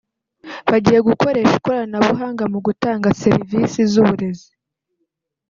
bagiye gukoresha ikoranabuhanga mu gutanga serivisi z’uburezi